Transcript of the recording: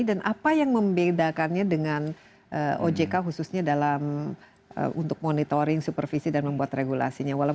dan apa yang membedakannya dengan ojk khususnya dalam untuk monitoring supervisi dan membuat regulasinya